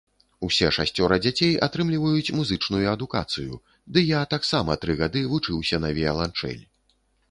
Усе шасцёра дзяцей атрымліваюць музычную адукацыю, ды я таксама тры гады вучыўся на віяланчэль.